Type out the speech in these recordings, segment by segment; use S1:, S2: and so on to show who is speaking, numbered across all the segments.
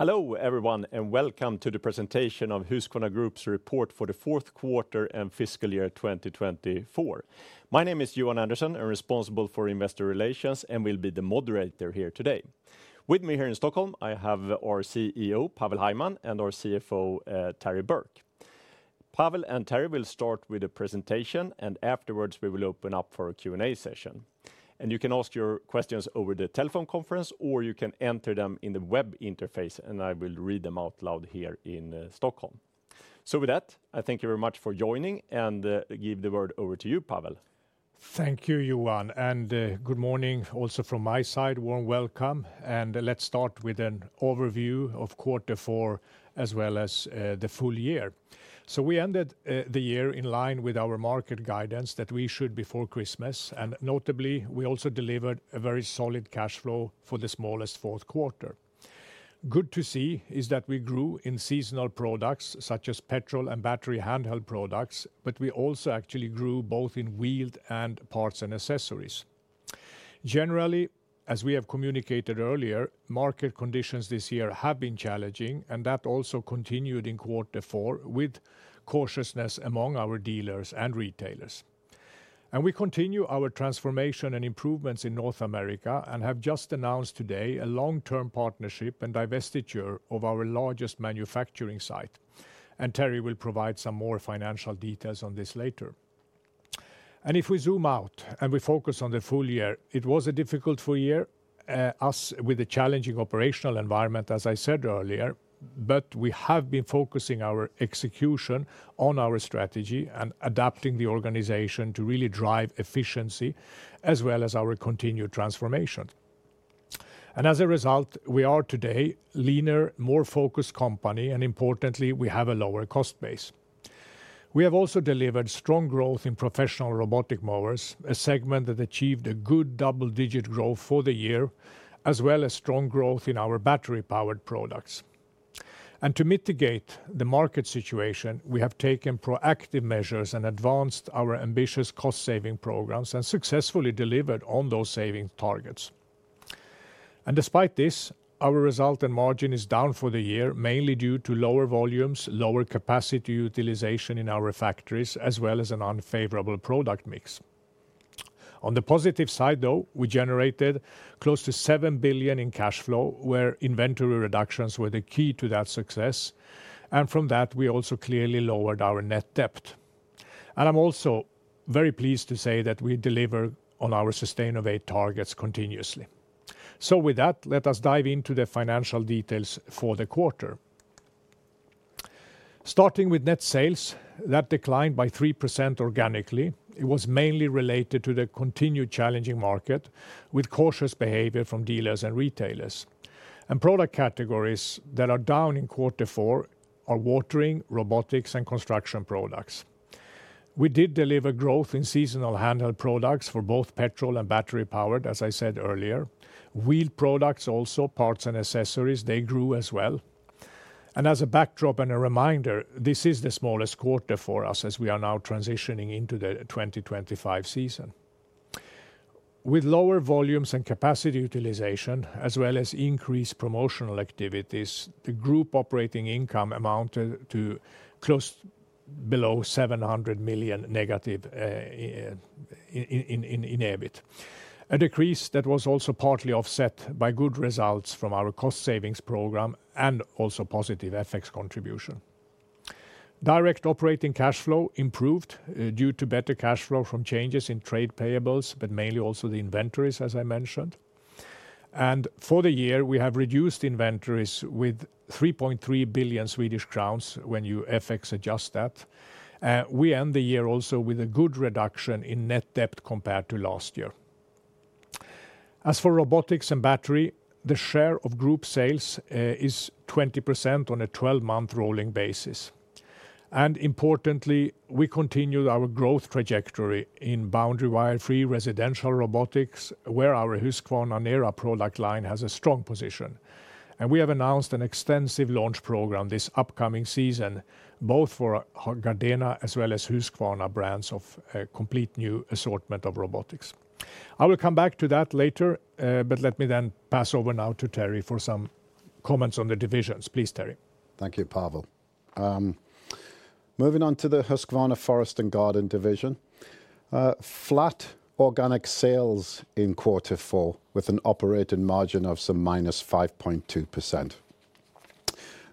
S1: Hello, everyone, and welcome to the presentation of Husqvarna Group's Report for the Fourth Quarter and Fiscal Year 2024. My name is Johan Andersson. I'm responsible for investor relations and will be the moderator here today. With me here in Stockholm, I have our CEO, Pavel Hajman, and our CFO, Terry Burke. Pavel and Terry will start with a presentation, and afterwards we will open up for a Q&A session, and you can ask your questions over the telephone conference, or you can enter them in the web interface, and I will read them out loud here in Stockholm, so with that, I thank you very much for joining and give the word over to you, Pavel.
S2: Thank you, Johan, and good morning also from my side. Warm welcome, and let's start with an overview of quarter four as well as the full year, so we ended the year in line with our market guidance that we should before Christmas, and notably, we also delivered a very solid cash flow for the smallest fourth quarter. Good to see is that we grew in seasonal products such as petrol and battery handheld products, but we also actually grew both in wheeled and parts and accessories. Generally, as we have communicated earlier, market conditions this year have been challenging, and that also continued in quarter four with cautiousness among our dealers and retailers. And we continue our transformation and improvements in North America and have just announced today a long-term partnership and divestiture of our largest manufacturing site, and Terry will provide some more financial details on this later. And if we zoom out and we focus on the full year, it was a difficult full year, us with a challenging operational environment, as I said earlier, but we have been focusing our execution on our strategy and adapting the organization to really drive efficiency as well as our continued transformation. And as a result, we are today a leaner, more focused company, and importantly, we have a lower cost base. We have also delivered strong growth in professional robotic mowers, a segment that achieved a good double-digit growth for the year, as well as strong growth in our battery-powered products. And to mitigate the market situation, we have taken proactive measures and advanced our ambitious cost-saving programs and successfully delivered on those saving targets. Despite this, our result and margin is down for the year, mainly due to lower volumes, lower capacity utilization in our factories, as well as an unfavorable product mix. On the positive side, though, we generated close to 7 billion in cash flow, where inventory reductions were the key to that success. From that, we also clearly lowered our net debt. I'm also very pleased to say that we deliver on our sustainability targets continuously. With that, let us dive into the financial details for the quarter. Starting with net sales, that declined by 3% organically. It was mainly related to the continued challenging market with cautious behavior from dealers and retailers. Product categories that are down in quarter four are watering, robotics, and Construction products. We did deliver growth in seasonal handheld products for both petrol and battery-powered, as I said earlier. Wheeled products also, parts and accessories they grew as well. And as a backdrop and a reminder, this is the smallest quarter for us as we are now transitioning into the 2025 season. With lower volumes and capacity utilization, as well as increased promotional activities, the group operating income amounted to close below 700 million, negative in EBIT. A decrease that was also partly offset by good results from our cost savings program, and also positive FX contribution. Direct operating cash flow improved due to better cash flow from changes in trade payables, but mainly also the inventories, as I mentioned. And for the year, we have reduced inventories with 3.3 billion Swedish crowns when you FX adjust that. We end the year also with a good reduction in net debt compared to last year. As for robotics and battery, the share of group sales is 20% on a 12-month rolling basis. And importantly, we continued our growth trajectory in boundary wire-free residential robotics, where our Husqvarna NERA product line has a strong position. And we have announced an extensive launch program this upcoming season, both for Gardena as well as Husqvarna brands of a complete new assortment of robotics. I will come back to that later, but let me then pass over now to Terry for some comments on the divisions. Please, Terry.
S3: Thank you, Pavel. Moving on to the Husqvarna Forest & Garden Division, flat organic sales in quarter four with an operating margin of some -5.2%.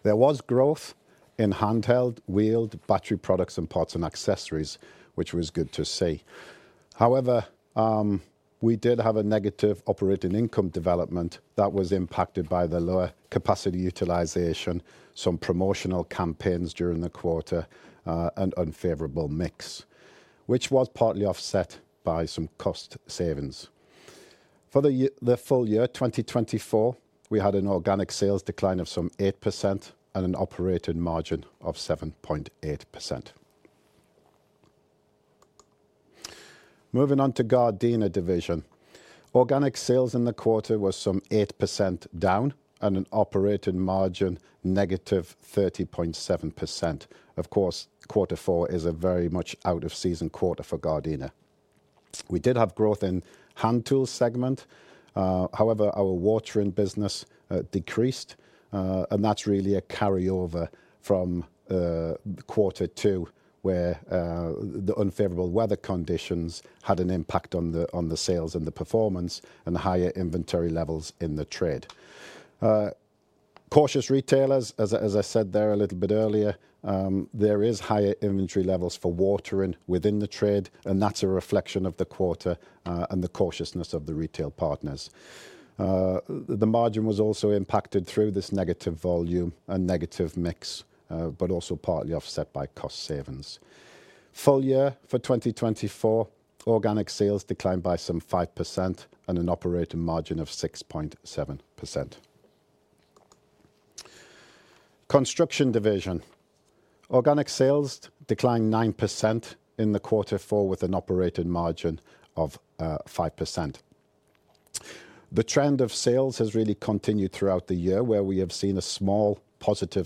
S3: There was growth in handheld, wheeled, battery products and parts and accessories, which was good to see. However, we did have a negative operating income development that was impacted by the lower capacity utilization, some promotional campaigns during the quarter, and unfavorable mix, which was partly offset by some cost savings. For the full year 2024, we had an organic sales decline of some 8% and an operating margin of 7.8%. Moving on to Gardena Division, organic sales in the quarter was some 8% down and an operating margin -30.7%. Of course, quarter four is a very much out-of-season quarter for Gardena. We did have growth in hand tools segment. However, our watering business decreased, and that's really a carryover from quarter two, where the unfavorable weather conditions had an impact on the sales and the performance and higher inventory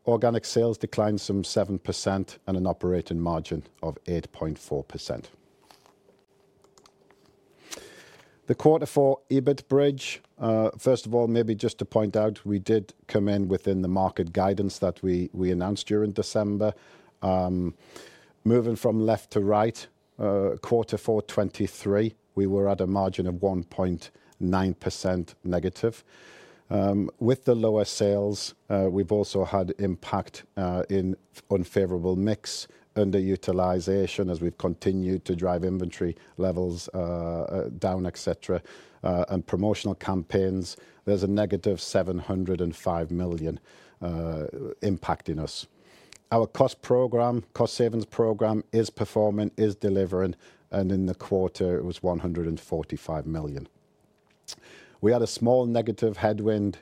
S3: levels in the trade. Cautious retailers, as I said there a little bit earlier, there are higher inventory levels for watering within the trade, and that's a reflection of the quarter and the cautiousness of the retail partners. The margin was also impacted through this negative volume and negative mix, but also partly offset by cost savings.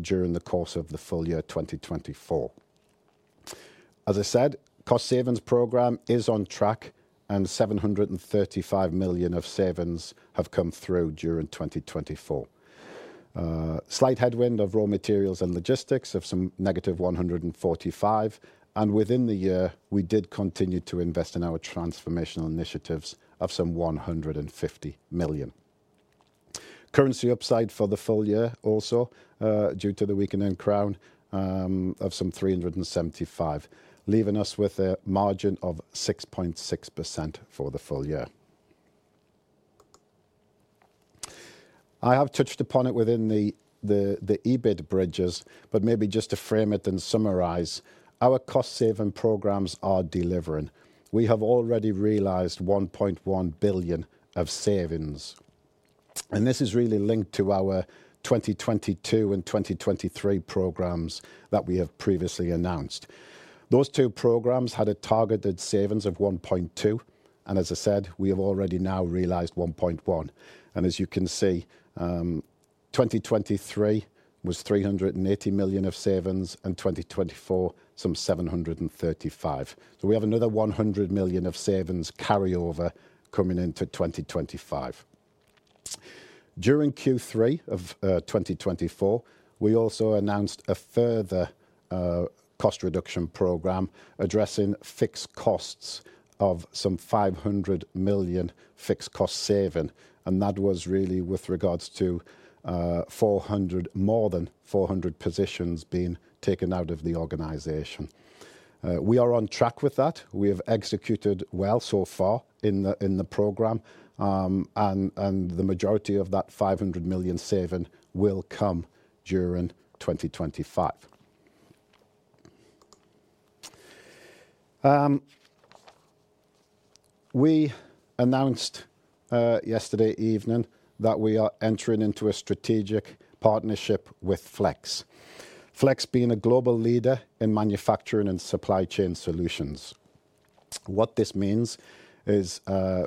S3: during the course of the full year 2024. As I said, cost savings program is on track, and 735 million of savings have come through during 2024. Slight headwind of raw materials and logistics of some -145 million. Within the year, we did continue to invest in our transformational initiatives of some 150 million. Currency upside for the full year also due to the weakening crown of some 375 million, leaving us with a margin of 6.6% for the full year. I have touched upon it within the EBIT bridges, but maybe just to frame it and summarize, our cost saving programs are delivering. We have already realized 1.1 billion of savings. This is really linked to our 2022 and 2023 programs that we have previously announced. Those two programs had a targeted savings of 1.2 billion. As I said, we have already now realized 1.1 billion. As you can see, 2023 was 380 million of savings and 2024 some 735 million. We have another 100 million of savings carryover coming into 2025. During Q3 of 2024, we also announced a further cost reduction program addressing fixed costs of some 500 million fixed cost saving. That was really with regards to more than 400 positions being taken out of the organization. We are on track with that. We have executed well so far in the program. The majority of that 500 million saving will come during 2025. We announced yesterday evening that we are entering into a strategic partnership with Flex. Flex being a global leader in manufacturing and supply chain solutions. What this means is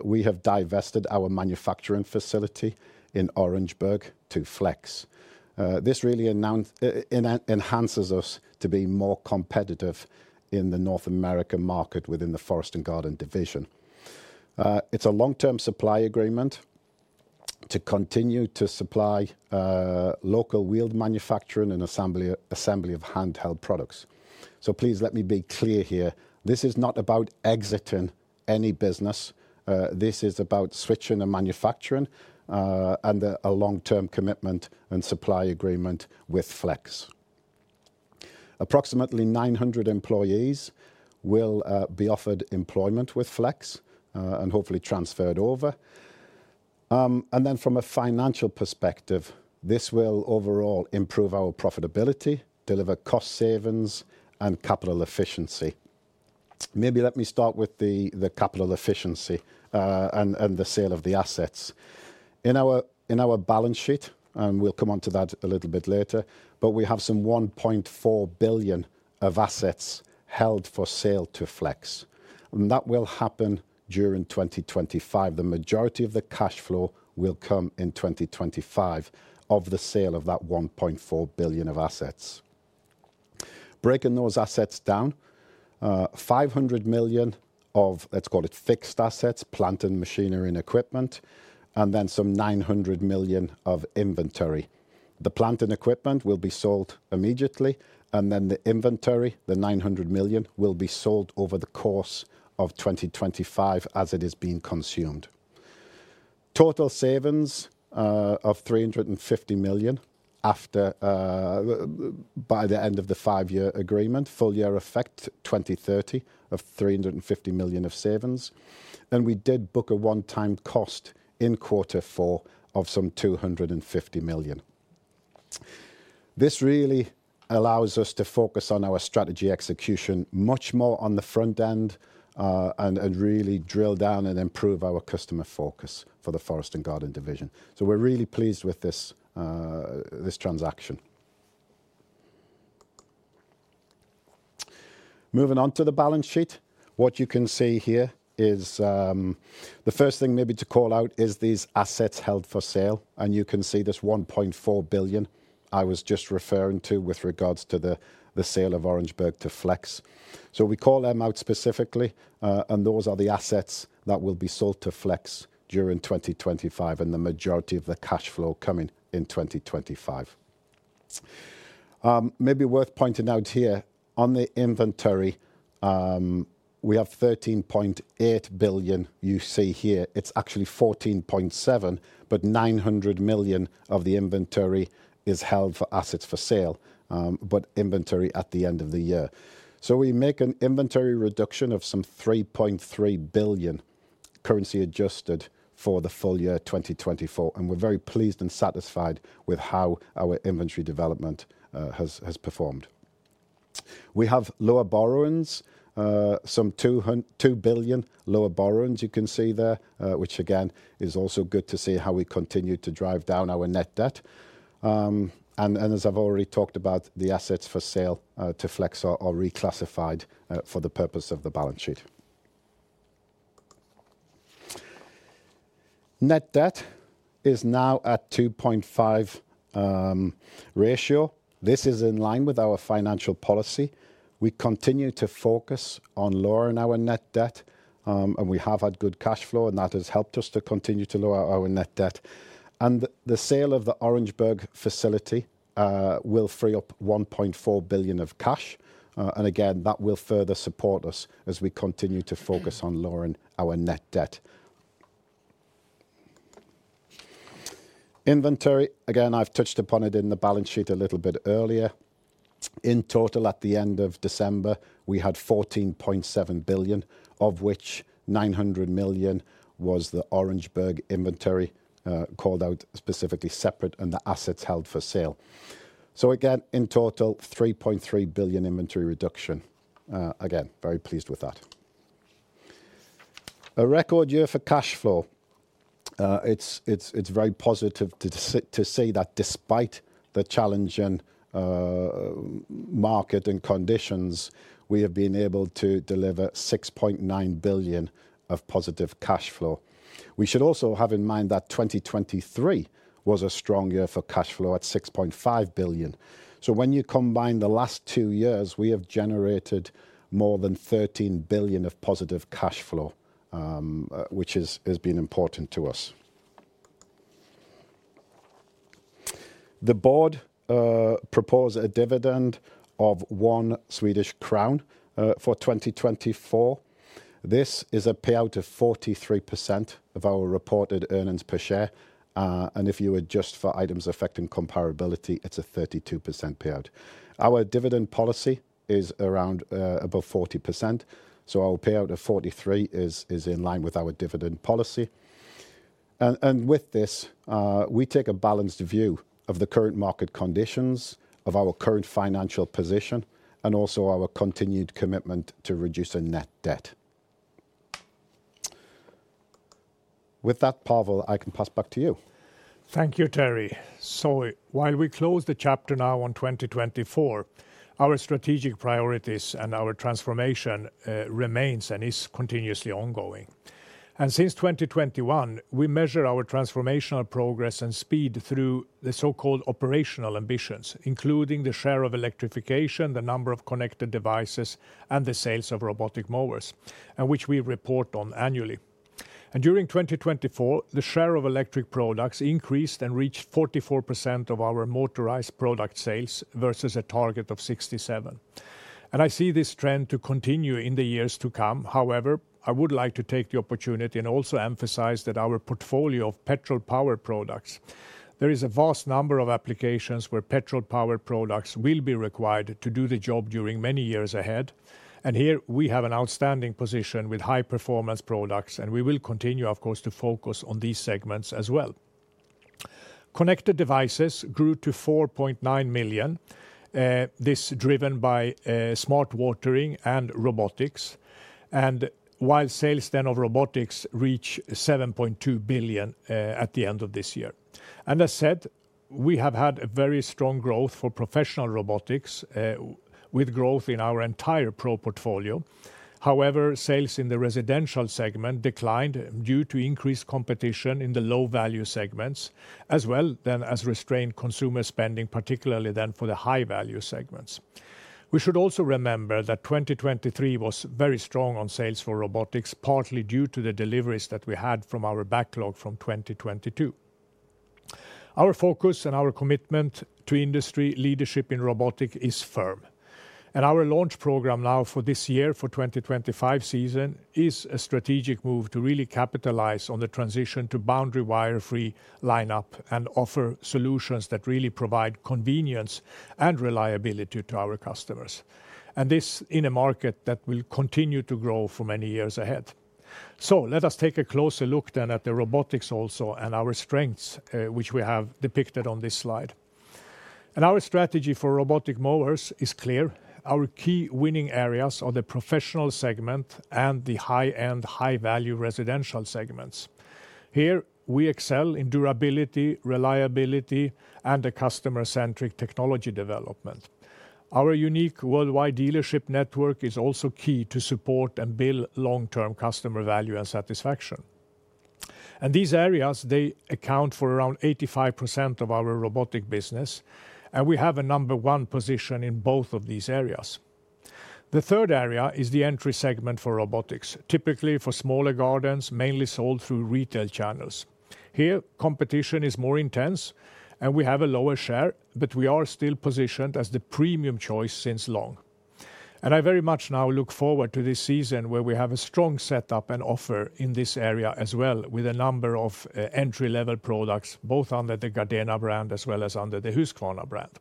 S3: we have divested our manufacturing facility in Orangeburg to Flex. This really enhances us to be more competitive in the North America market Forest & Garden Division. it's a long-term supply agreement to continue to supply local wheeled manufacturing and assembly of handheld products. So please let me be clear here. This is not about exiting any business. This is about switching to manufacturing and a long-term commitment and supply agreement with Flex. Approximately 900 employees will be offered employment with Flex and hopefully transferred over. And then from a financial perspective, this will overall improve our profitability, deliver cost savings, and capital efficiency. Maybe let me start with the capital efficiency and the sale of the assets. In our balance sheet, and we'll come on to that a little bit later, but we have some 1.4 billion of assets held for sale to Flex. And that will happen during 2025. The majority of the cash flow will come in 2025 of the sale of that 1.4 billion of assets. Breaking those assets down, 500 million of, let's call it fixed assets, plant and machinery, and equipment, and then some 900 million of inventory. The plant and equipment will be sold immediately, and then the inventory, the 900 million, will be sold over the course of 2025 as it is being consumed. Total savings of 350 million by the end of the five-year agreement, full-year effect 2030 of 350 million of savings. And we did book a one-time cost in quarter four of some 250 million. This really allows us to focus on our strategy execution much more on the front end and really drill down and improve our customer focus Forest & Garden Division. so we're really pleased with this transaction. Moving on to the balance sheet, what you can see here is the first thing maybe to call out is these assets held for sale, and you can see 1.4 billion I was just referring to with regards to the sale of Orangeburg to Flex, so we call them out specifically, and those are the assets that will be sold to Flex during 2025 and the majority of the cash flow coming in 2025, maybe worth pointing out here, on the inventory, we have 13.8 billion you see here. It's actually 14.7 billion, but 900 million of the inventory is held for assets for sale, but inventory at the end of the year, so we make an inventory reduction of some 3.3 billion currency adjusted for the full year 2024, and we're very pleased and satisfied with how our inventory development has performed. We have lower borrowings, some 2 billion lower borrowings, you can see there, which again is also good to see how we continue to drive down our net debt. And as I've already talked about, the assets for sale to Flex are reclassified for the purpose of the balance sheet. Net debt is now at 2.5 ratio. This is in line with our financial policy. We continue to focus on lowering our net debt, and we have had good cash flow, and that has helped us to continue to lower our net debt. And the sale of the Orangeburg facility will free up 1.4 billion of cash. And again, that will further support us as we continue to focus on lowering our net debt. Inventory, again, I've touched upon it in the balance sheet a little bit earlier. In total, at the end of December, we had 14.7 billion, of which 900 million was the Orangeburg inventory called out specifically separate and the assets held for sale. So again, in total, 3.3 billion inventory reduction. Again, very pleased with that. A record year for cash flow. It's very positive to see that despite the challenging market and conditions, we have been able to deliver 6.9 billion of positive cash flow. We should also have in mind that 2023 was a strong year for cash flow at 6.5 billion. So when you combine the last two years, we have generated more than 13 billion of positive cash flow, which has been important to us. The board proposed a dividend of 1 Swedish crown for 2024. This is a payout of 43% of our reported earnings per share. And if you adjust for items affecting comparability, it's a 32% payout. Our dividend policy is around above 40%. So our payout of 43% is in line with our dividend policy. And with this, we take a balanced view of the current market conditions of our current financial position and also our continued commitment to reduce our net debt. With that, Pavel, I can pass back to you.
S2: Thank you, Terry. So while we close the chapter now on 2024, our strategic priorities and our transformation remains and is continuously ongoing. And since 2021, we measure our transformational progress and speed through the so-called operational ambitions, including the share of electrification, the number of connected devices, and the sales of robotic mowers, which we report on annually. And during 2024, the share of electric products increased and reached 44% of our motorized product sales versus a target of 67%. And I see this trend to continue in the years to come. However, I would like to take the opportunity and also emphasize that our portfolio of petrol power products there is a vast number of applications where petrol power products will be required to do the job during many years ahead. And here we have an outstanding position with high-performance products, and we will continue, of course, to focus on these segments as well. Connected devices grew to 4.9 million. This is driven by smart watering and robotics. And while sales then of robotics reach 7.2 billion at the end of this year. And as said, we have had a very strong growth for professional robotics with growth in our entire pro portfolio. However, sales in the residential segment declined due to increased competition in the low-value segments as well as restrained consumer spending, particularly then for the high-value segments. We should also remember that 2023 was very strong on sales for robotics, partly due to the deliveries that we had from our backlog from 2022. Our focus and our commitment to industry leadership in robotics is firm. And our launch program now for this year, for 2025 season, is a strategic move to really capitalize on the transition to boundary wire-free lineup and offer solutions that really provide convenience and reliability to our customers. And this in a market that will continue to grow for many years ahead. So let us take a closer look then at the robotics also and our strengths, which we have depicted on this slide. And our strategy for robotic mowers is clear. Our key winning areas are the professional segment and the high-end, high-value residential segments. Here we excel in durability, reliability, and the customer-centric technology development. Our unique worldwide dealership network is also key to support and build long-term customer value and satisfaction. And these areas, they account for around 85% of our robotic business, and we have a number one position in both of these areas. The third area is the entry segment for robotics, typically for smaller gardens, mainly sold through retail channels. Here, competition is more intense, and we have a lower share, but we are still positioned as the premium choice since long. And I very much now look forward to this season where we have a strong setup and offer in this area as well with a number of entry-level products, both under the Gardena brand as well as under the Husqvarna brand.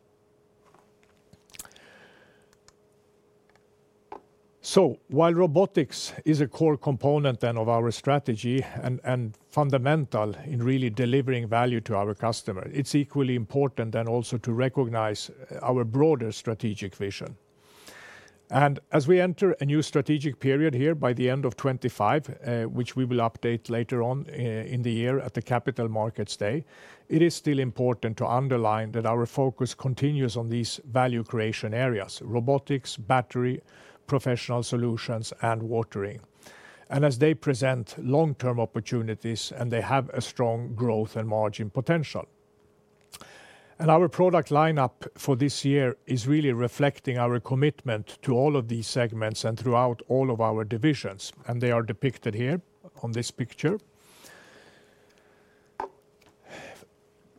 S2: So while robotics is a core component then of our strategy and fundamental in really delivering value to our customers, it's equally important then also to recognize our broader strategic vision. And as we enter a new strategic period here by the end of 2025, which we will update later on in the year at the Capital Markets Day, it is still important to underline that our focus continues on these value creation areas: robotics, battery, professional solutions, and watering. And as they present long-term opportunities and they have a strong growth and margin potential. And our product lineup for this year is really reflecting our commitment to all of these segments and throughout all of our divisions, and they are depicted here on this picture.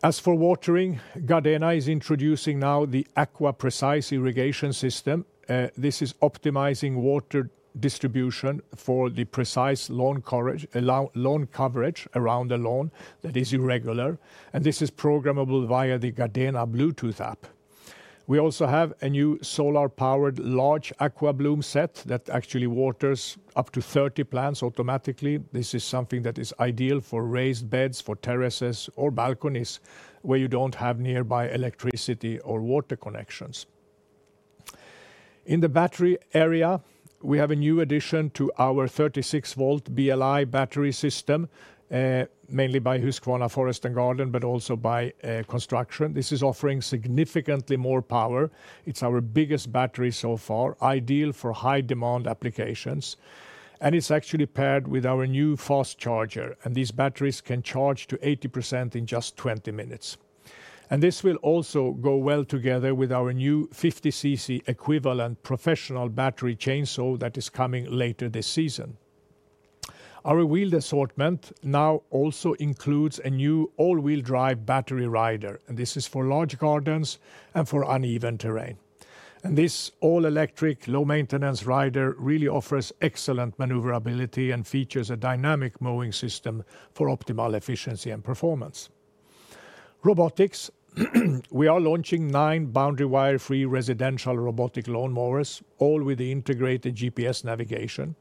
S2: As for watering, Gardena is introducing now the AquaPrecise irrigation system. This is optimizing water distribution for the precise lawn coverage around the lawn that is irregular, and this is programmable via the Gardena Bluetooth app. We also have a new solar-powered large AquaBloom set that actually waters up to 30 plants automatically. This is something that is ideal for raised beds, for terraces or balconies where you don't have nearby electricity or water connections. In the battery area, we have a new addition to our 36-volt BLi battery system, mainly by Husqvarna Forest and Garden, but also by construction. This is offering significantly more power. It's our biggest battery so far, ideal for high-demand applications, and it's actually paired with our new fast charger. And these batteries can charge to 80% in just 20 minutes, and this will also go well together with our new 50cc equivalent professional battery chainsaw that is coming later this season. Our wheeled assortment now also includes a new all-wheel drive battery rider, and this is for large gardens and for uneven terrain. This all-electric, low-maintenance rider really offers excellent maneuverability and features a dynamic mowing system for optimal efficiency and performance. In robotics, we are launching nine boundary wire-free residential robotic lawnmowers, all with the integrated GPS navigation.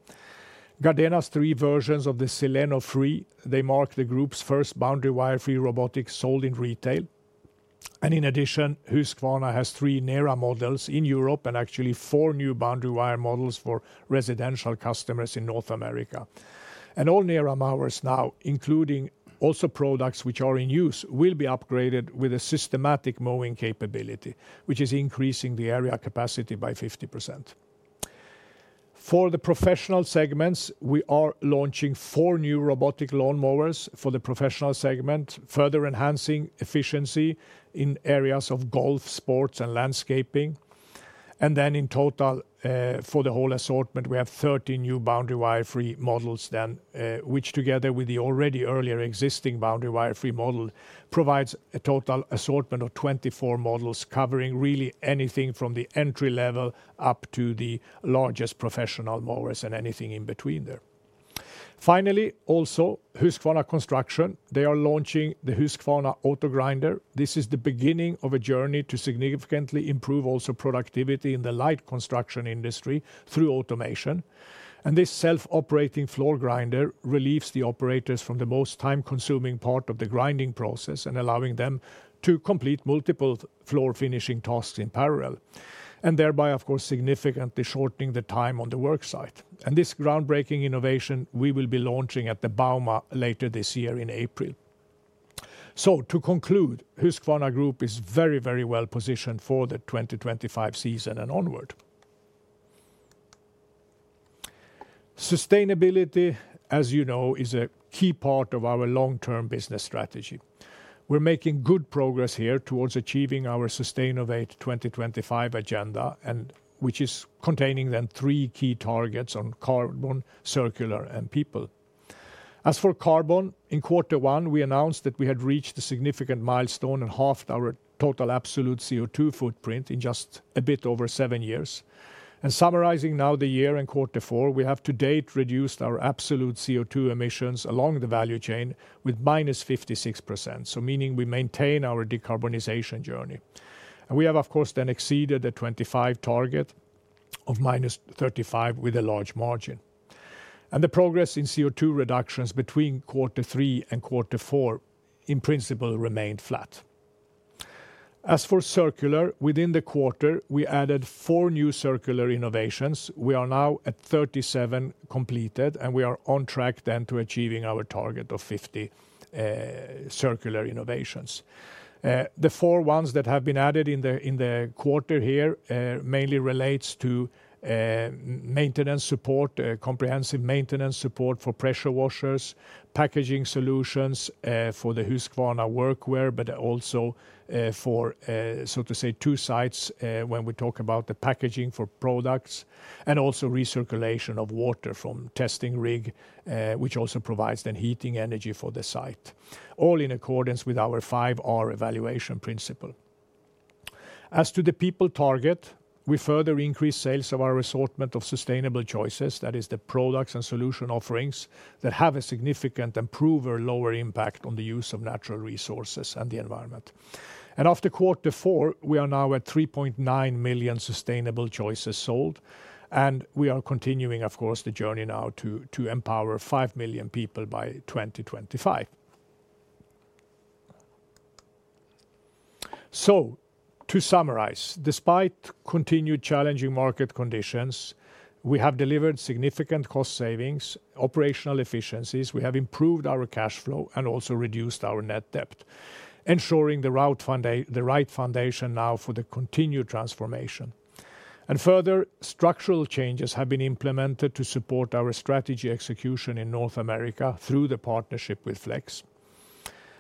S2: Gardena's three versions of the SILENO Free mark the group's first boundary wire-free robotics sold in retail, and in addition, Husqvarna has three NERA models in Europe and actually four new boundary wire models for residential customers in North America. All NERA mowers now, including also products which are in use, will be upgraded with a systematic mowing capability, which is increasing the area capacity by 50%. For the professional segments, we are launching four new robotic lawnmowers for the professional segment, further enhancing efficiency in areas of golf, sports, and landscaping. And then in total, for the whole assortment, we have 13 new boundary wire-free models then, which together with the already earlier existing boundary wire-free model provides a total assortment of 24 models covering really anything from the entry level up to the largest professional mowers and anything in between there. Finally, also Husqvarna Construction, they are launching the Husqvarna AutoGrinder. This is the beginning of a journey to significantly improve also productivity in the light construction industry through automation. And this self-operating floor grinder relieves the operators from the most time-consuming part of the grinding process and allowing them to complete multiple floor finishing tasks in parallel. And thereby, of course, significantly shortening the time on the worksite. This groundbreaking innovation we will be launching at the Bauma later this year in April. To conclude, Husqvarna Group is very, very well positioned for the 2025 season and onward. Sustainability, as you know, is a key part of our long-term business strategy. We're making good progress here towards achieving our Sustainovate 2025 agenda, which is containing then three key targets on carbon, circular, and people. As for carbon, in quarter one, we announced that we had reached a significant milestone and halved our total absolute CO2 footprint in just a bit over seven years. Summarizing now the year in quarter four, we have to date reduced our absolute CO2 emissions along the value chain with -56%, so meaning we maintain our decarbonization journey. We have, of course, then exceeded the 25 target of -35% with a large margin. The progress in CO2 reductions between quarter three and quarter four in principle remained flat. As for circular, within the quarter, we added four new circular innovations. We are now at 37 completed, and we are on track then to achieving our target of 50 circular innovations. The four ones that have been added in the quarter here mainly relates to maintenance support, comprehensive maintenance support for pressure washers, packaging solutions for the Husqvarna workwear, but also for, so to say, two sites when we talk about the packaging for products and also recirculation of water from testing rig, which also provides then heating energy for the site, all in accordance with our 5R evaluation principle. As to the people target, we further increase sales of our assortment of sustainable choices, that is, the products and solution offerings that have a significant and proven lower impact on the use of natural resources and the environment. And after quarter four, we are now at 3.9 million sustainable choices sold. And we are continuing, of course, the journey now to empower five million people by 2025. So to summarize, despite continued challenging market conditions, we have delivered significant cost savings, operational efficiencies, we have improved our cash flow, and also reduced our net debt, ensuring the right foundation now for the continued transformation. And further, structural changes have been implemented to support our strategy execution in North America through the partnership with Flex.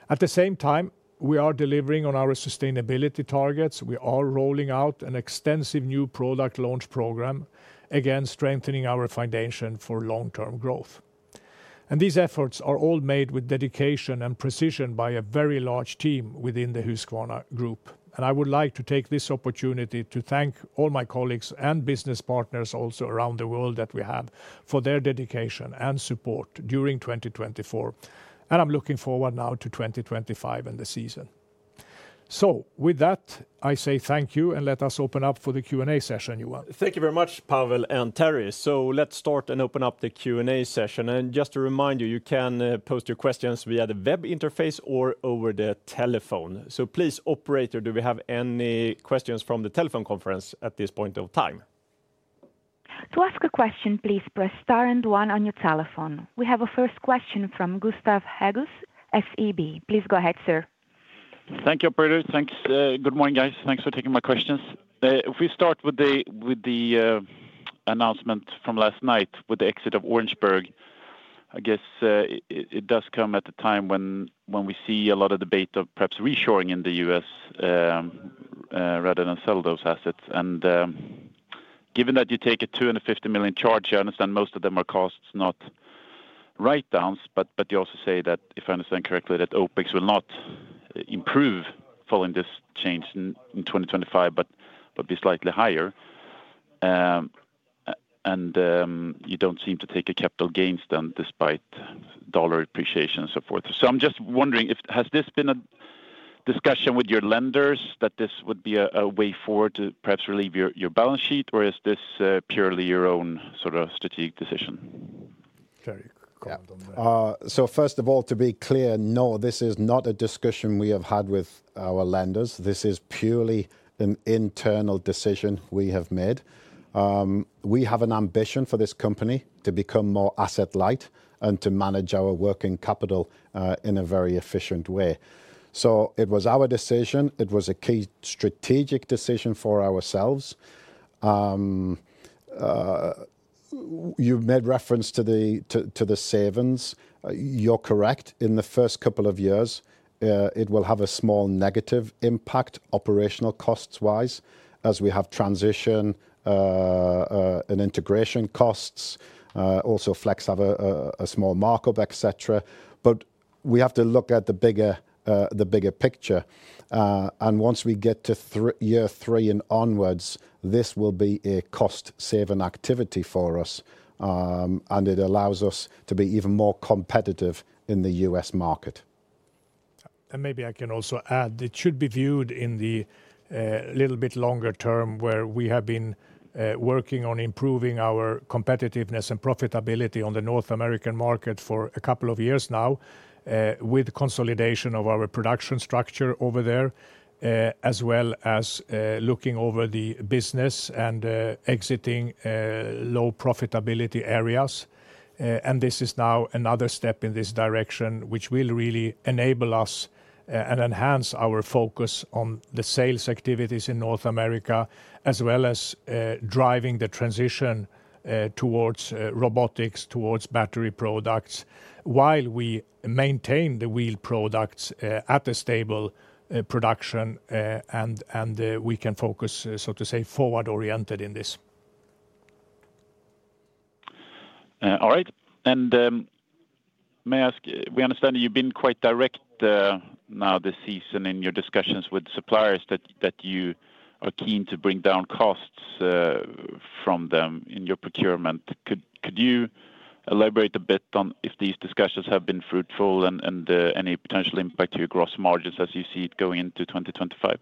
S2: At the same time, we are delivering on our sustainability targets. We are rolling out an extensive new product launch program, again, strengthening our foundation for long-term growth. And these efforts are all made with dedication and precision by a very large team within the Husqvarna Group. And I would like to take this opportunity to thank all my colleagues and business partners also around the world that we have for their dedication and support during 2024. And I'm looking forward now to 2025 and the season. So with that, I say thank you and let us open up for the Q&A session, Johan.
S1: Thank you very much, Pavel and Terry. So let's start and open up the Q&A session. And just to remind you, you can post your questions via the web interface or over the telephone. So please, operator, do we have any questions from the telephone conference at this point of time?
S4: To ask a question, please press star and one on your telephone. We have a first question from Gustav Hageus, SEB. Please go ahead, sir.
S5: Thank you, operator. Thanks. Good morning, guys. Thanks for taking my questions. If we start with the announcement from last night with the exit of Orangeburg, I guess it does come at a time when we see a lot of debate of perhaps reshoring in the U.S., rather than sell those assets. And given that you take a 250 million charge, I understand most of them are costs, not write-downs, but you also say that, if I understand correctly, that OpEx will not improve following this change in 2025, but be slightly higher. And you don't seem to take a capital gains then despite dollar appreciation and so forth. So I'm just wondering, has this been a discussion with your lenders that this would be a way forward to perhaps relieve your balance sheet, or is this purely your own sort of strategic decision?
S2: Terry comment on that.
S3: So first of all, to be clear, no, this is not a discussion we have had with our lenders. This is purely an internal decision we have made. We have an ambition for this company to become more asset-light and to manage our working capital in a very efficient way. So it was our decision. It was a key strategic decision for ourselves. You've made reference to the savings. You're correct. In the first couple of years, it will have a small negative impact operational costs-wise, as we have transition and integration costs. Also, Flex have a small markup, etc. But we have to look at the bigger picture. Once we get to year three and onwards, this will be a cost-saving activity for us, and it allows us to be even more competitive in the U.S. market.
S2: Maybe I can also add, it should be viewed in the little bit longer term, where we have been working on improving our competitiveness and profitability on the North American market for a couple of years now, with consolidation of our production structure over there, as well as looking over the business and exiting low profitability areas. This is now another step in this direction, which will really enable us and enhance our focus on the sales activities in North America, as well as driving the transition towards robotics, towards battery products, while we maintain the wheel products at a stable production, and we can focus, so to say, forward-oriented in this.
S5: All right. May I ask, we understand that you've been quite direct now this season in your discussions with suppliers that you are keen to bring down costs from them in your procurement. Could you elaborate a bit on if these discussions have been fruitful and any potential impact to your gross margins as you see it going into 2025?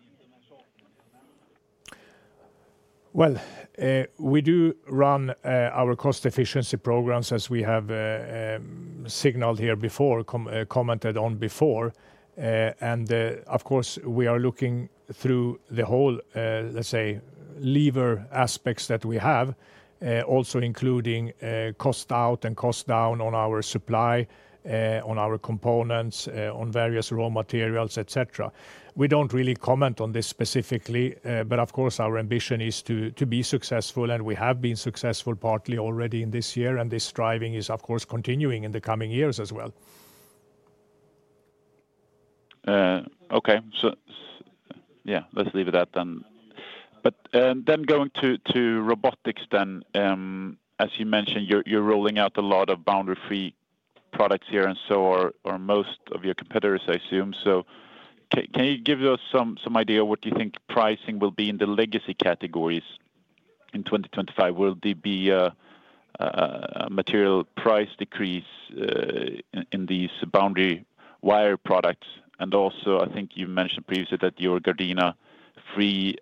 S2: We do run our cost efficiency programs as we have signaled here before, commented on before. Of course, we are looking through the whole, let's say, lever aspects that we have, also including cost out and cost down on our supply, on our components, on various raw materials, etc. We don't really comment on this specifically, but of course, our ambition is to be successful, and we have been successful partly already in this year. This driving is, of course, continuing in the coming years as well.
S5: Okay. So yeah, let's leave it at that then. But then going to robotics, then, as you mentioned, you're rolling out a lot of boundary wire-free products here, and so are most of your competitors, I assume. So, can you give us some idea what do you think pricing will be in the legacy categories in 2025? Will there be a material price decrease in these boundary wire products? And also, I think you mentioned previously that your Gardena Free,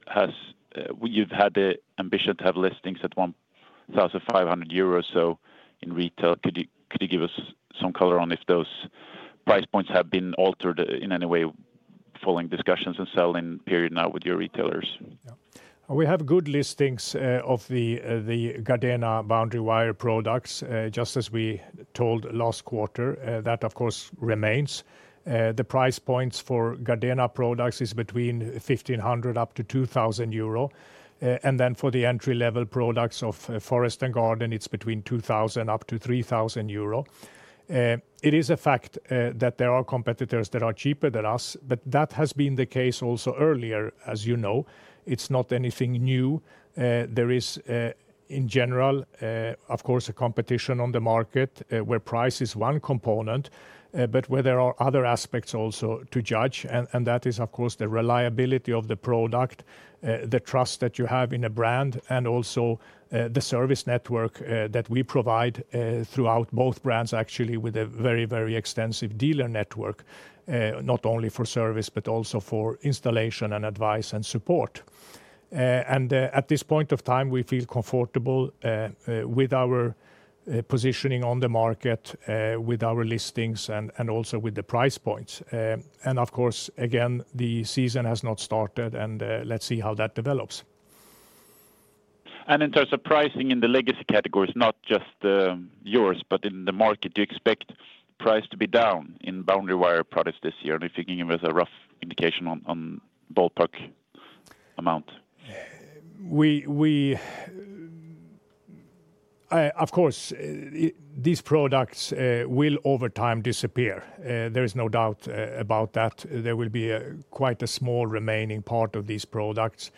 S5: you've had the ambition to have listings at 1,500 euros so in retail. Could you give us some color on if those price points have been altered in any way following discussions and selling period now with your retailers?
S2: We have good listings of the Gardena boundary wire products, just as we told last quarter. That, of course, remains. The price points for Gardena products is between 1,500 up to 2,000 euro. For the entry-level products of Forest and Garden, it's between 2,000 up to 3,000 euro. It is a fact that there are competitors that are cheaper than us, but that has been the case also earlier, as you know. It's not anything new. There is, in general, of course, a competition on the market where price is one component, but where there are other aspects also to judge. That is, of course, the reliability of the product, the trust that you have in a brand, and also the service network that we provide throughout both brands, actually, with a very, very extensive dealer network, not only for service, but also for installation and advice, and support. At this point of time, we feel comfortable with our positioning on the market, with our listings, and also with the price points. Of course, again, the season has not started, and let's see how that develops.
S5: In terms of pricing in the legacy categories, not just yours, but in the market, do you expect price to be down in boundary wire products this year? If you're giving us a rough indication on ballpark amount?
S2: Of course, these products will over time disappear. There is no doubt about that. There will be quite a small remaining part of these products.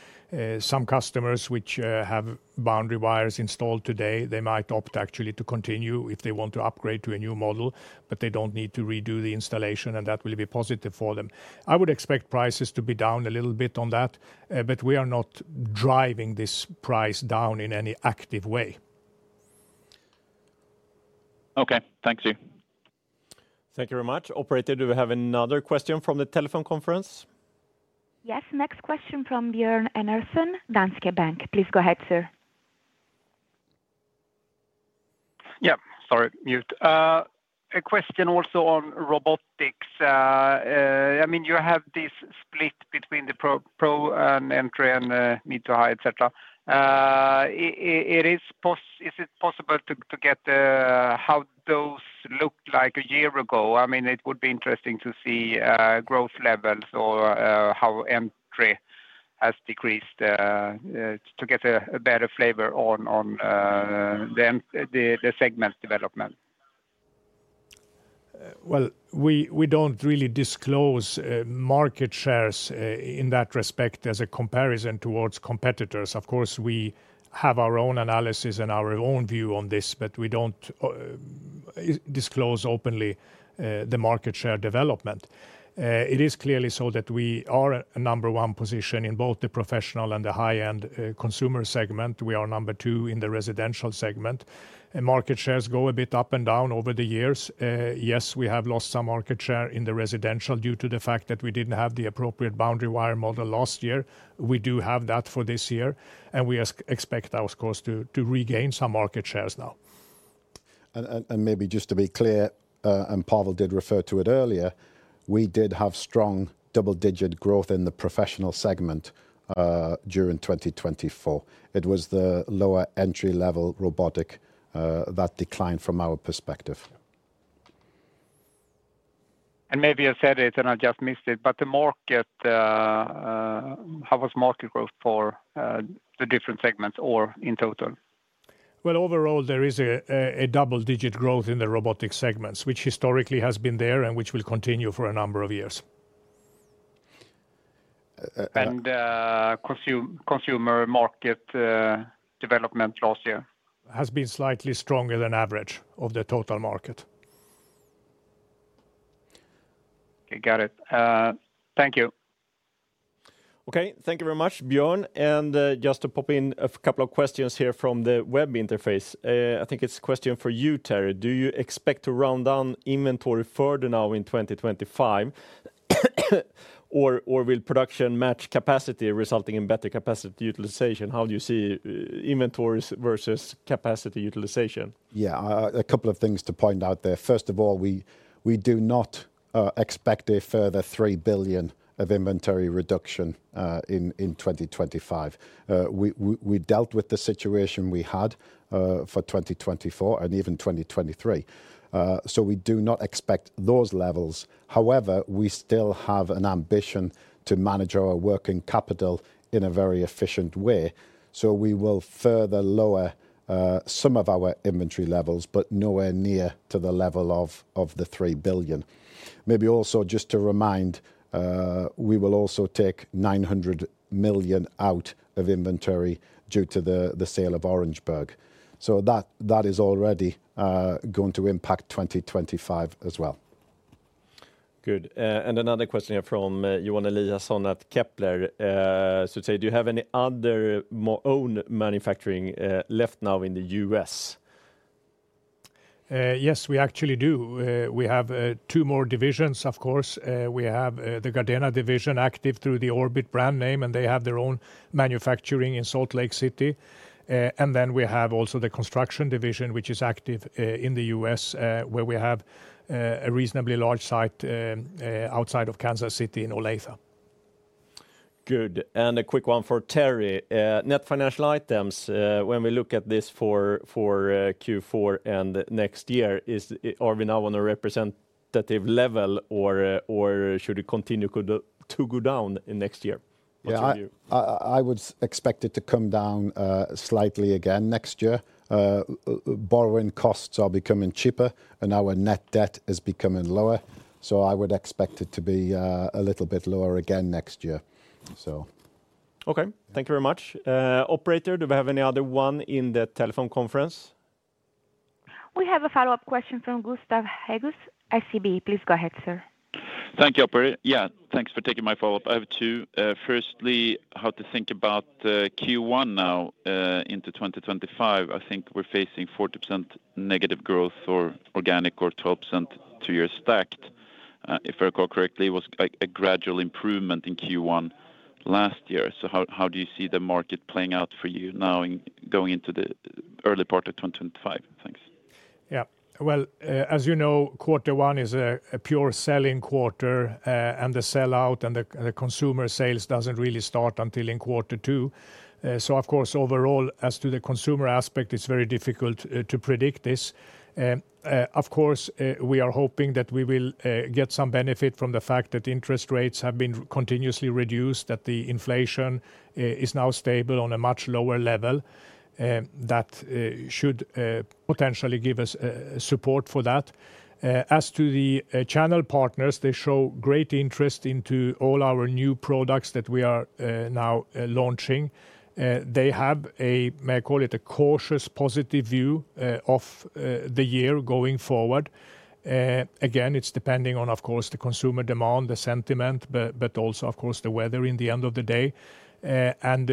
S2: Some customers which have boundary wires installed today, they might opt actually to continue if they want to upgrade to a new model, but they don't need to redo the installation, and that will be positive for them. I would expect prices to be down a little bit on that, but we are not driving this price down in any active way.
S5: Okay. Thank you.
S1: Thank you very much. Operator, do we have another question from the telephone conference?
S4: Yes. Next question from Björn Enarson, Danske Bank. Please go ahead, sir.
S6: A question also on robotics. I mean, you have this split between the pro and entry and mid to high, etc. Is it possible to get how those looked like a year ago? I mean, it would be interesting to see growth levels or how entry has decreased to get a better flavor on the segment development.
S2: Well, we don't really disclose market shares in that respect as a comparison towards competitors. Of course, we have our own analysis and our own view on this, but we don't disclose openly the market share development. It is clearly so that we are a number one position in both the professional and the high-end consumer segment. We are number two in the residential segment. Market shares go a bit up and down over the years. Yes, we have lost some market share in the residential due to the fact that we didn't have the appropriate boundary wire model last year. We do have that for this year, and we expect, of course, to regain some market shares now.
S3: And maybe just to be clear, and Pavel did refer to it earlier, we did have strong double-digit growth in the professional segment during 2024. It was the lower entry-level robotic that declined from our perspective.
S6: And maybe I said it and I just missed it, but the market, how was market growth for the different segments or in total?
S2: Well, overall, there is a double-digit growth in the robotic segments, which historically has been there and which will continue for a number of years.
S6: And consumer market development last year?
S2: Has been slightly stronger than average of the total market.
S6: Okay. Got it. Thank you.
S1: Okay. Thank you very much, Björn. And just to pop in a couple of questions here from the web interface. I think it's a question for you, Terry. Do you expect to run down inventory further now in 2025, or will production match capacity resulting in better capacity utilization? How do you see inventories versus capacity utilization?
S3: Yeah, a couple of things to point out there. First of all, we do not expect a further 3 billion of inventory reduction in 2025. We dealt with the situation we had for 2024 and even 2023. So we do not expect those levels. However, we still have an ambition to manage our working capital in a very efficient way. So we will further lower some of our inventory levels, but nowhere near to the level of the 3 billion. Maybe also just to remind, we will also take 900 million out of inventory due to the sale of Orangeburg. So that is already going to impact 2025 as well.
S1: Good. And another question here from Johan Eliasson at Kepler. So you say, do you have any other own manufacturing left now in the U.S.?
S2: Yes, we actually do. We have two more divisions, of course. We have the Gardena Division active through the Orbit brand name, and they have their own manufacturing in Salt Lake City. And then we have also the Construction Division, which is active in the U.S., where we have a reasonably large site outside of Kansas City in Olathe.
S1: Good. And a quick one for Terry. Net financial items, when we look at this for Q4 and next year, are we now on a representative level, or should it continue to go down next year?
S3: Yeah, I would expect it to come down slightly again next year. Borrowing costs are becoming cheaper, and our net debt is becoming lower. So I would expect it to be a little bit lower again next year. So.
S1: Okay. Thank you very much. Operator, do we have any other one in the telephone conference?
S4: We have a follow-up question from Gustav Hageus, SEB. Please go ahead, sir.
S5: Thank you, Operator. Yeah, thanks for taking my follow-up. I have two. Firstly, how to think about Q1 now into 2025? I think we're facing 40% negative growth or organic or 12% two-year stacked. If I recall correctly, it was a gradual improvement in Q1 last year. So how do you see the market playing out for you now going into the early part of 2025? Thanks.
S2: Yeah. Well, as you know, quarter one is a pure selling quarter, and the sell-out and the consumer sales doesn't really start until in quarter two. So, of course, overall, as to the consumer aspect, it's very difficult to predict this. Of course, we are hoping that we will get some benefit from the fact that interest rates have been continuously reduced, that the inflation is now stable on a much lower level. That should potentially give us support for that. As to the channel partners, they show great interest into all our new products that we are now launching. They have, may I call it, a cautious positive view of the year going forward. Again, it's depending on, of course, the consumer demand, the sentiment, but also, of course, the weather in the end of the day, and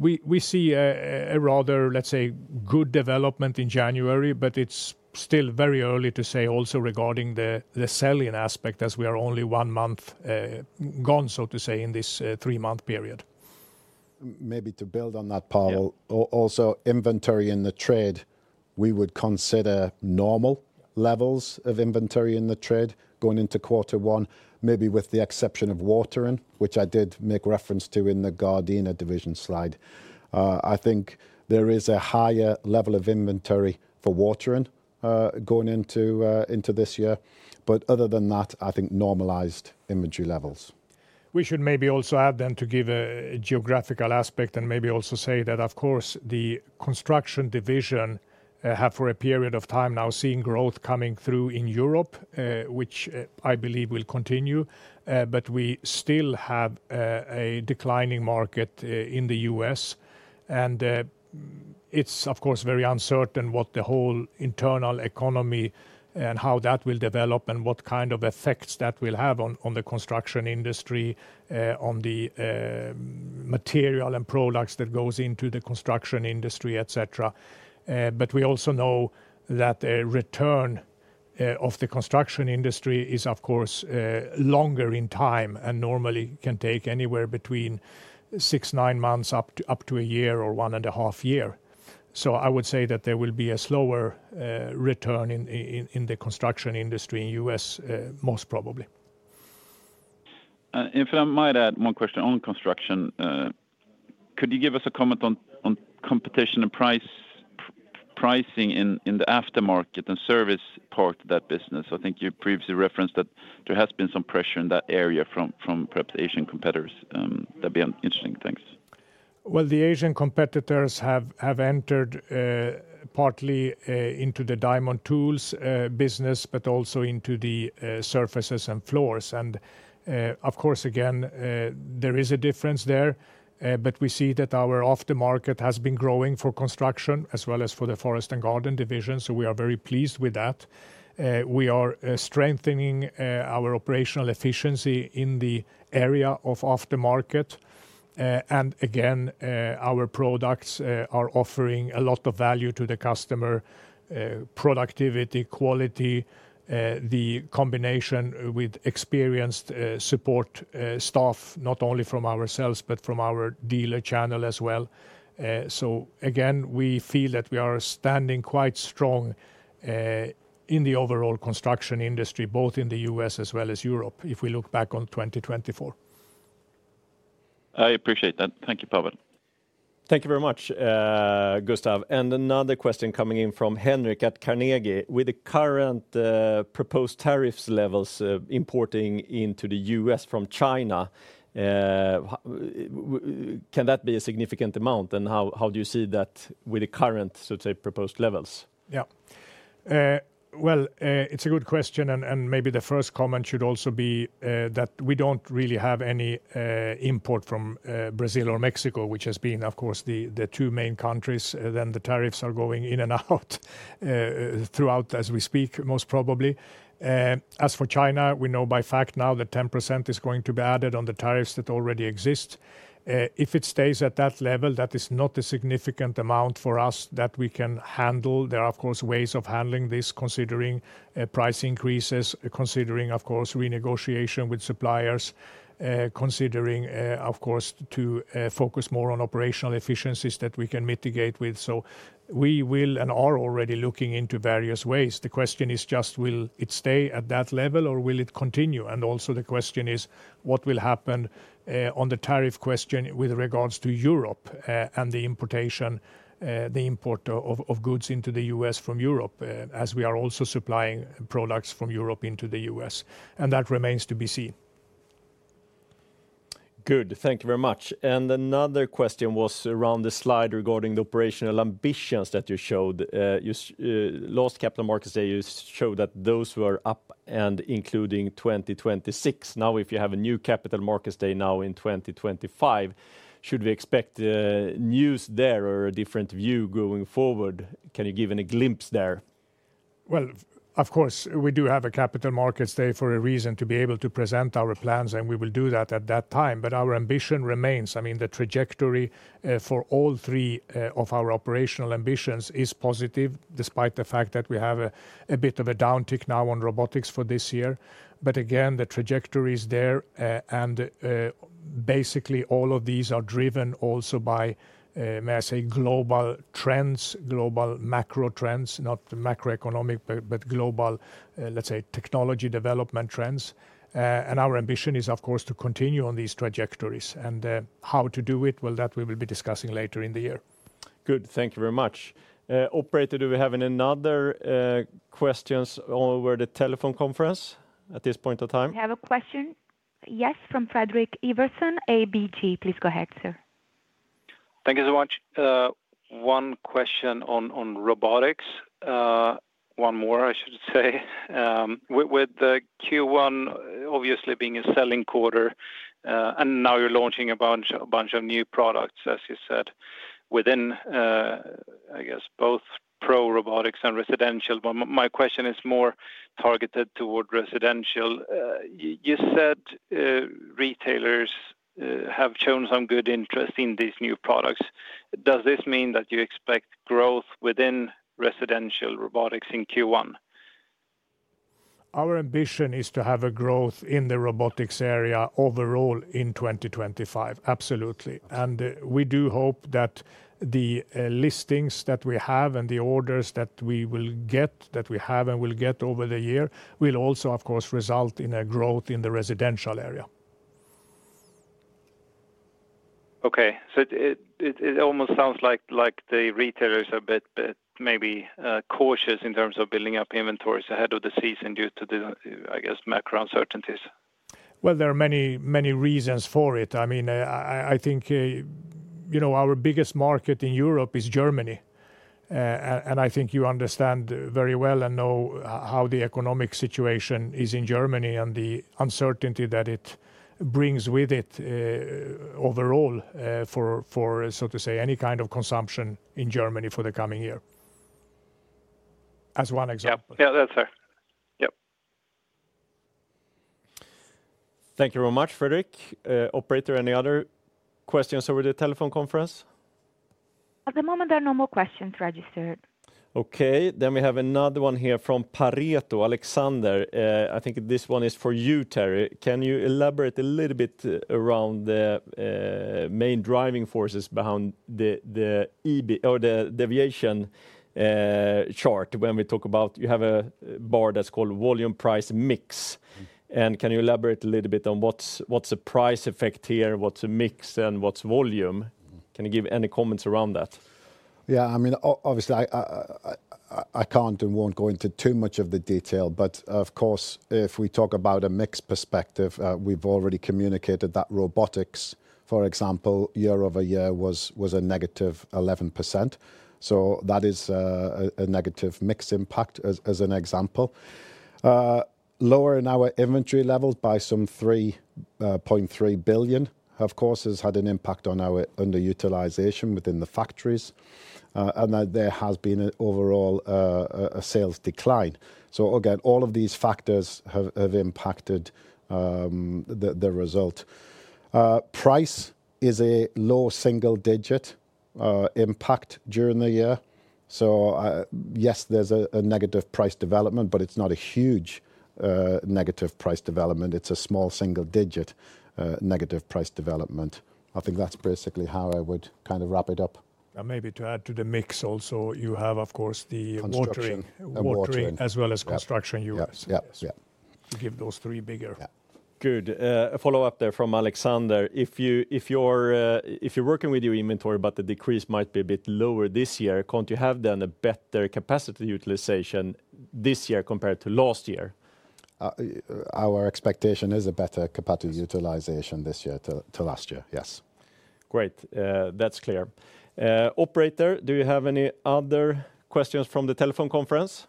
S2: we see a rather, let's say, good development in January, but it's still very early to say also regarding the selling aspect as we are only one month gone, so to say, in this three-month period.
S3: Maybe to build on that, Pavel, also inventory in the trade, we would consider normal levels of inventory in the trade going into quarter one, maybe with the exception of watering, which I did make reference to in the Gardena Division slide. I think there is a higher level of inventory for watering going into this year. But other than that, I think normalized inventory levels.
S2: We should maybe also add then to give a geographical aspect and maybe also say that, of course, the Construction Division have for a period of time now seen growth coming through in Europe, which I believe will continue, but we still have a declining market in the U.S., and it's, of course, very uncertain what the whole internal economy and how that will develop and what kind of effects that will have on the construction industry, on the material and products that goes into the construction industry, etc. But we also know that the return of the construction industry is, of course, longer in time and normally can take anywhere between six, nine months up to a year or one and a half year, so I would say that there will be a slower return in the construction industry in the U.S., most probably.
S5: If I might add one question on construction, could you give us a comment on competition and pricing in the aftermarket and service part of that business? I think you previously referenced that there has been some pressure in that area from perhaps Asian competitors. That'd be interesting. Thanks.
S2: The Asian competitors have entered partly into the diamond tools business, but also into the surfaces and floors. Of course, again, there is a difference there. We see that our aftermarket has been growing for construction as well as Forest & Garden Division. we are very pleased with that. We are strengthening our operational efficiency in the area of aftermarket. Again, our products are offering a lot of value to the customer: productivity, quality, the combination with experienced support staff, not only from ourselves, but from our dealer channel as well. So again, we feel that we are standing quite strong in the overall construction industry, both in the U.S. as well as Europe, if we look back on 2024.
S5: I appreciate that. Thank you, Pavel.
S1: Thank you very much, Gustav. And another question coming in from Henrik at Carnegie. With the current proposed tariff levels importing into the U.S. from China, can that be a significant amount? And how do you see that with the current, so to say, proposed levels?
S2: Yeah. Well, it's a good question. And maybe the first comment should also be that we don't really have any import from Brazil or Mexico, which has been, of course, the two main countries. Then the tariffs are going in and out throughout as we speak, most probably. As for China, we know in fact now that 10% is going to be added on the tariffs that already exist. If it stays at that level, that is not a significant amount for us that we can handle. There are, of course, ways of handling this considering price increases, considering, of course, renegotiation with suppliers, considering, of course, to focus more on operational efficiencies that we can mitigate with, so we will and are already looking into various ways. The question is just, will it stay at that level or will it continue? And also the question is, what will happen on the tariff question with regards to Europe and the importation of goods into the U.S. from Europe, as we are also supplying products from Europe into the U.S. and that remains to be seen.
S1: Good. Thank you very much, and another question was around the slide regarding the operational ambitions that you showed. Last Capital Markets Day, you showed that those were up and including 2026. Now, if you have a new Capital Markets Day now in 2025, should we expect news there or a different view going forward? Can you give a glimpse there?
S2: Well, of course, we do have a Capital Markets Day for a reason to be able to present our plans, and we will do that at that time. But our ambition remains. I mean, the trajectory for all three of our operational ambitions is positive, despite the fact that we have a bit of a downtick now on robotics for this year. But again, the trajectory is there. And basically, all of these are driven also by, may I say, global trends, global macro trends, not macroeconomic, but global, let's say, technology development trends. And our ambition is, of course, to continue on these trajectories. And how to do it? Well, that we will be discussing later in the year.
S1: Good. Thank you very much. Operator, do we have any other questions over the telephone conference at this point of time?
S4: We have a question. Yes, from Fredrik Ivarsson, ABG. Please go ahead, sir.
S7: Thank you so much. One question on robotics. One more, I should say. With the Q1 obviously being a selling quarter, and now you're launching a bunch of new products, as you said, within, I guess, both pro-robotics and residential. My question is more targeted toward residential. You said retailers have shown some good interest in these new products. Does this mean that you expect growth within residential robotics in Q1?
S2: Our ambition is to have a growth in the robotics area overall in 2025. Absolutely. We do hope that the listings that we have and the orders that we will get, that we have and will get over the year, will also, of course, result in a growth in the residential area. Okay. It almost sounds like the retailers are a bit maybe cautious in terms of building up inventories ahead of the season due to the, I guess, macro uncertainties. There are many reasons for it. I mean, I think our biggest market in Europe is Germany. And I think you understand very well and know how the economic situation is in Germany and the uncertainty that it brings with it overall for, so to say, any kind of consumption in Germany for the coming year, as one example.
S7: Yeah, that's fair. Yep.
S1: Thank you very much, Fredrik. Operator, any other questions over the telephone conference?
S4: At the moment, there are no more questions registered.
S1: Okay. Then we have another one here from Pareto, Alexander. I think this one is for you, Terry. Can you elaborate a little bit around the main driving forces behind the EBIT or the deviation chart when we talk about you have a bar that's called volume price mix? And can you elaborate a little bit on what's a price effect here, what's a mix, and what's volume? Can you give any comments around that?
S3: Yeah, I mean, obviously, I can't and won't go into too much of the detail. But of course, if we talk about a mix perspective, we've already communicated that robotics, for example, year over year was a -11%. So that is a negative mix impact as an example. Lowering our inventory levels by some 3.3 billion, of course, has had an impact on our underutilization within the factories. And there has been an overall sales decline. So again, all of these factors have impacted the result. Price is a low single-digit impact during the year. So yes, there's a negative price development, but it's not a huge negative price development. It's a small single-digit negative price development. I think that's basically how I would kind of wrap it up.
S2: And maybe to add to the mix also, you have, of course, the watering as well as construction. You give those three bigger.
S1: Good. A follow-up there from Alexander. If you're working with your inventory, but the decrease might be a bit lower this year, can't you have then a better capacity utilization this year compared to last year?
S3: Our expectation is a better capacity utilization this year to last year. Yes.
S1: Great. That's clear. Operator, do you have any other questions from the telephone conference?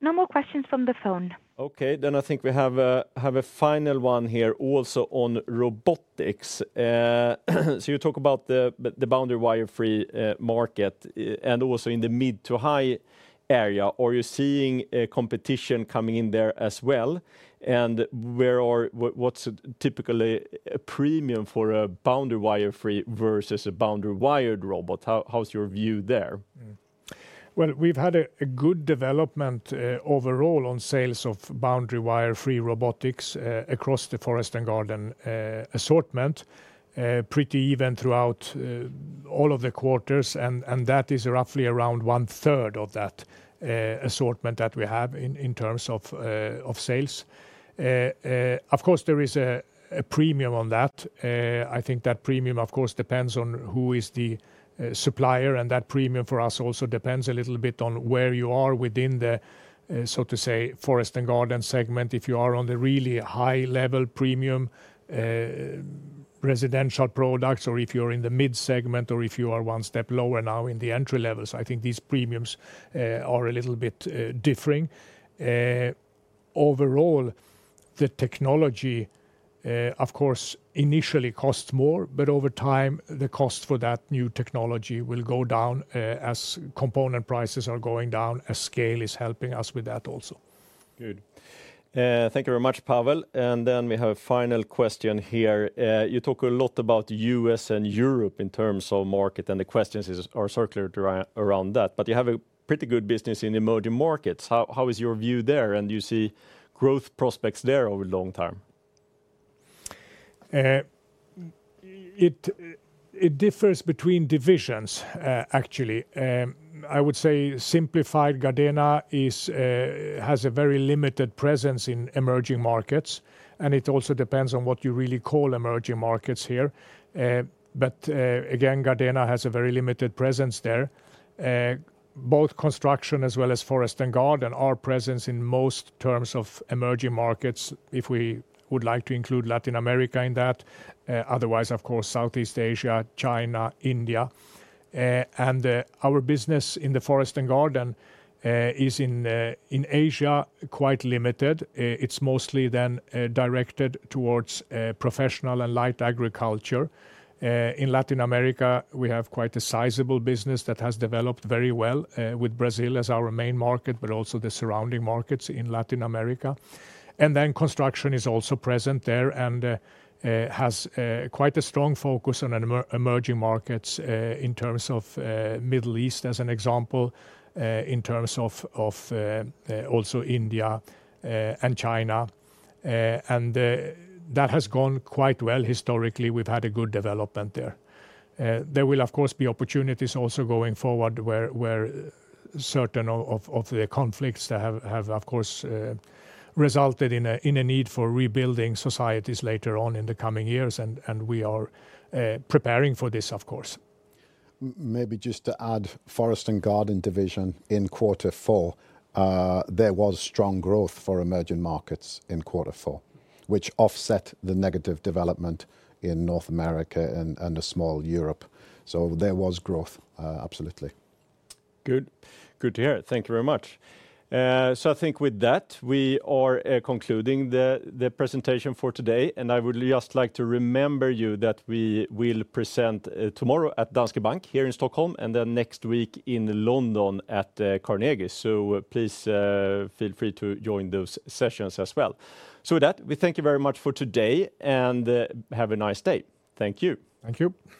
S4: No more questions from the phone.
S1: Okay, then I think we have a final one here also on robotics, so you talk about the boundary wire-free market and also in the mid to high area. Are you seeing competition coming in there as well, and what's typically a premium for a boundary wire-free versus a boundary wired robot? How's your view there?
S2: Well, we've had a good development overall on sales of boundary wire-free robotics across the Forest and Garden assortment, pretty even throughout all of the quarters, and that is roughly around one-third of that assortment that we have in terms of sales. Of course, there is a premium on that. I think that premium, of course, depends on who is the supplier. And that premium for us also depends a little bit on where you are within the, so to say, Forest and Garden segment. If you are on the really high-level premium residential products, or if you're in the mid-segment, or if you are one step lower now in the entry levels, I think these premiums are a little bit different. Overall, the technology, of course, initially costs more, but over time, the cost for that new technology will go down as component prices are going down. A scale is helping us with that also.
S1: Good. Thank you very much, Pavel. And then we have a final question here. You talk a lot about the U.S. and Europe in terms of market, and the questions are circling around that. But you have a pretty good business in emerging markets. How is your view there? And do you see growth prospects there over the long term?
S2: It differs between divisions, actually. I would say simplified Gardena has a very limited presence in emerging markets. And it also depends on what you really call emerging markets here. But again, Gardena has a very limited presence there. Both construction as well as Forest and Garden are present in most emerging markets, if we would like to include Latin America in that. Otherwise, of course, Southeast Asia, China, India. And our business in the Forest and Garden is in Asia quite limited. It's mostly then directed towards professional and light agriculture. In Latin America, we have quite a sizable business that has developed very well with Brazil as our main market, but also the surrounding markets in Latin America. And then construction is also present there and has quite a strong focus on emerging markets in terms of the Middle East, as an example, in terms of also India and China. And that has gone quite well historically. We've had a good development there. There will, of course, be opportunities also going forward where certain of the conflicts that have, of course, resulted in a need for rebuilding societies later on in the coming years. And we are preparing for this, of course.
S3: Maybe just Forest & Garden Division in quarter four, there was strong growth for emerging markets in quarter four, which offset the negative development in North America and a small Europe. So there was growth, absolutely.
S1: Good. Good to hear it. Thank you very much. So I think with that, we are concluding the presentation for today. And I would just like to remind you that we will present tomorrow at Danske Bank here in Stockholm and then next week in London at Carnegie. So please feel free to join those sessions as well. So with that, we thank you very much for today and have a nice day. Thank you.
S2: Thank you.